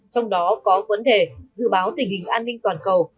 trong đó có vấn đề dự báo tình hình an ninh toàn cầu